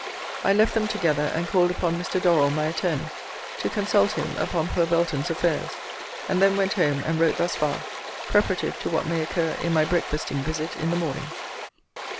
I left them together, and called upon Mr. Dorrell, my attorney, to consult him upon poor Belton's affairs; and then went home, and wrote thus far, preparative to what may occur in my breakfasting visit in the morning.